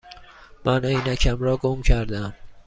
من عینکم را گم کرده ام.